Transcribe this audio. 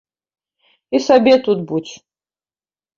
І сабе тут будзь.